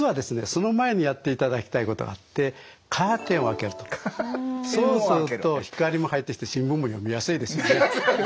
その前にやっていただきたいことがあってそうすると光も入ってきて新聞も読みやすいですよね。